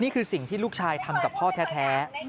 นี่คือสิ่งที่ลูกชายทำกับพ่อแท้